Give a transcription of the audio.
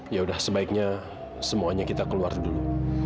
ya udah sebaiknya semuanya kita keluar dulu